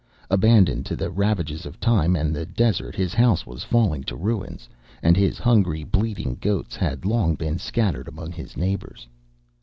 Abandoned to the ravages of time and the desert, his house was falling to ruins, and his hungry, bleating goats had long been scattered among his neighbours.